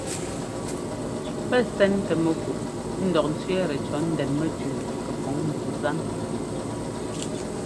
Pɛ́ sɛntɛ mɛku ńdɔk ńtsẅɛ́ɛtɛ cɔ̌ ndɛn mɛtʉʉ kɛpɔŋ ndu zan.